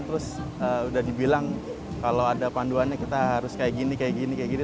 terus udah dibilang kalau ada panduannya kita harus kayak gini kayak gini kayak gini